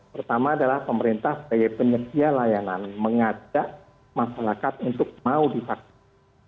pertama adalah pemerintah sebagai penyedia layanan mengajak masyarakat untuk mau divaksin